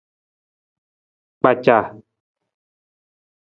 Kpaca.